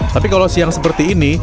tapi kalau siang seperti ini